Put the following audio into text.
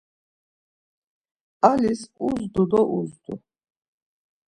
Alis uzdu do uzdu.